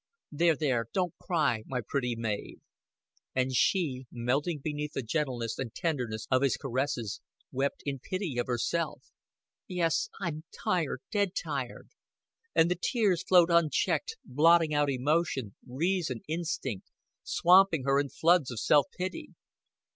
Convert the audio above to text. "There there, don't cry, my pretty Mav." And she, melting beneath the gentleness and tenderness of his caresses, wept in pity of herself. "Yes, I'm tired dead tired." And the tears flowed unchecked, blotting out emotion, reason, instinct, swamping her in floods of self pity.